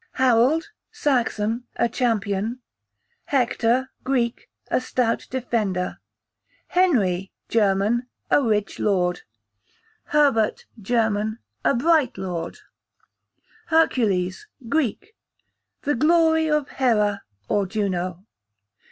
Harold, Saxon, a champion. Hector, Greek, a stout defender. Henry, German, a rich lord. Herbert, German, a bright lord. Hercules, Greek, the glory of Hera, or Juno.